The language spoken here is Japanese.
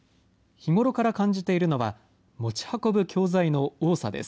日頃から感じているのは、持ち運ぶ教材の多さです。